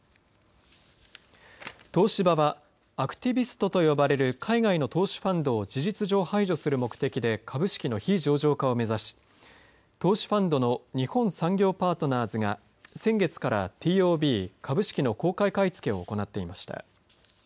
東芝はアクティビストと呼ばれる海外の投資ファンドを事実上、排除する目的で株式の非上場化を目指し投資ファンドの日本産業パートナーズが先月からＴＯＢ株式の公開買い付けを行っていました。